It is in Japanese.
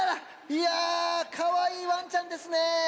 いやかわいいワンちゃんですね。